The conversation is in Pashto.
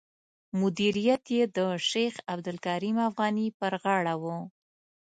مدیریت یې د شیخ عبدالکریم افغاني پر غاړه و.